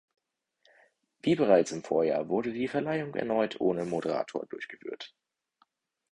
Wie bereits im Vorjahr wurde die Verleihung erneut ohne Moderator durchgeführt.